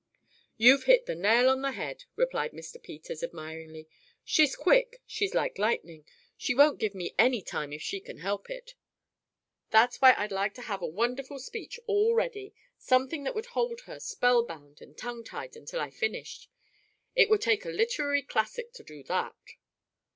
"You've hit the nail on the head," replied Mr. Peters admiringly. "She's quick. She's like lightning. She won't give me any time if she can help it. That's why I'd like to have a wonderful speech all ready something that would hold her spellbound and tongue tied until I finished. It would take a literary classic to do that."